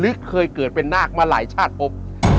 เคยเกิดเป็นนาคมาหลายชาติพบ